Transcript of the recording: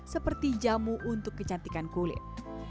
seperti jamu untuk kecantikan kulit